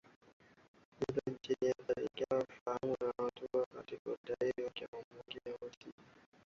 hilo hapa nchini ingawa wanaomfahamu wanataja huo kama ushahidi wa udhaifu wake mwingine utii